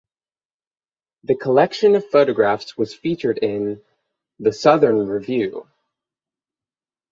The collection of photographs was featured in "The Southern Review".